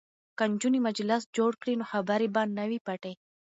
که نجونې مجلس جوړ کړي نو خبرې به نه وي پټې.